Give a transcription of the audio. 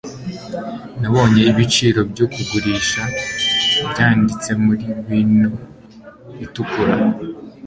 nabonye ibiciro byo kugurisha byanditse muri wino itukura